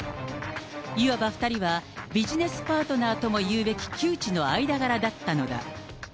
いわば２人は、ビジネスパートナーとも言うべき旧知の間柄だったのだ。